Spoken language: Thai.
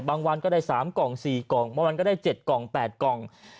วันก็ได้๓กล่อง๔กล่องบางวันก็ได้๗กล่อง๘กล่อง